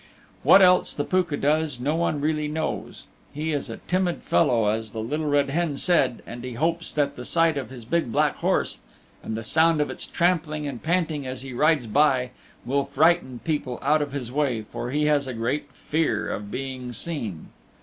What else the Pooka does no one really knows. He is a timid fellow as the Little Red Hen said, and he hopes that the sight of his big black horse and the sound of its trampling and panting as he rides by will frighten people out of his way, for he has a great fear of being seen.